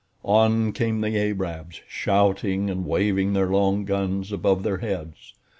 On came the Arabs, shouting and waving their long guns above their heads.